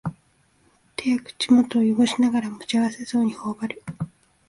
手や口元をよごしながらも幸せそうにほおばる